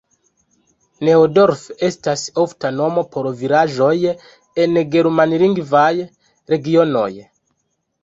Neudorf estas ofta nomo por vilaĝoj en germanlingvaj regionoj.